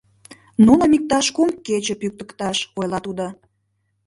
Нуным иктаж кум кече пӱктыкташ, — ойла тудо.